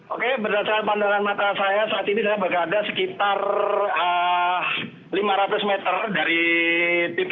oke berdasarkan pandangan mata saya saat ini sudah berada sekitar sepuluh lima belas